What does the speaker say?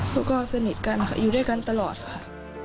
แล้วก็สนิทกันค่ะอยู่ด้วยกันตลอดค่ะ